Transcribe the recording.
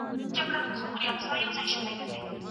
د قطر خیریه بنسټونه په افغانستان کي څنګه اوبه برابروي؟